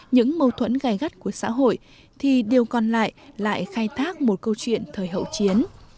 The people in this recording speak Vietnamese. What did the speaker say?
những mâu thuẫn gai gắt của xã hội thì điều còn lại lại khai thác một câu chuyện thời hậu chiến